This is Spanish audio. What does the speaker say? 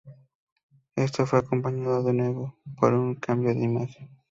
Esto fue acompañado de nuevo por un cambio en la imagen.